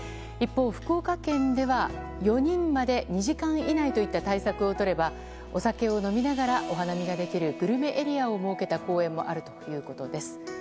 一方、福岡県では、４人まで２時間以内といった対策をとればお酒を飲みながらお花見ができるグルメエリアを設けた公園もあるということです。